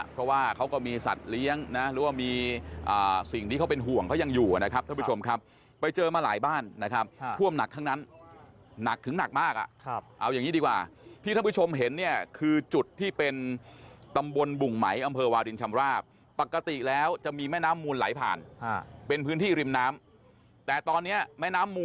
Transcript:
เพราะว่าเขาก็มีสัตว์เลี้ยงหรือว่ามีสิ่งที่เขาเป็นห่วง